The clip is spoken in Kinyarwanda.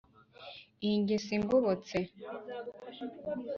Iyi ngeso ingobotse,